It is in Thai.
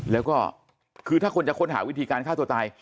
แล้วก็คือถ้าคนจะค้นหาวิธีการฆ่าตัวตาย